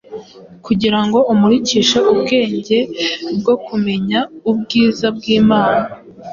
kugira ngo imurikishe ubwenge bwo kumenya ubwiza bw’Imana